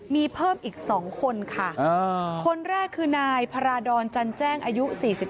มีเพิ่มอีก๒คนค่ะคนแรกคือนายพาราดรจันแจ้งอายุ๔๙